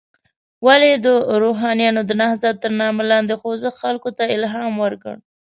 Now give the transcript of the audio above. ولې د روښانیانو د نهضت تر نامه لاندې خوځښت خلکو ته الهام ورکړ.